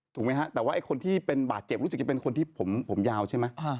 ถูกไหมฮะแต่ว่าไอ้คนที่เป็นบาดเจ็บรู้สึกจะเป็นคนที่ผมยาวใช่ไหม